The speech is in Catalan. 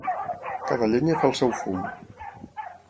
Cada llenya fa el seu fum.